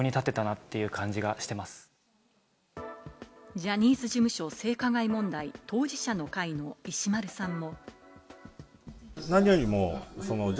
ジャニーズ事務所性加害問題、当事者の会の石丸さんも。